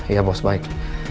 iya bos baik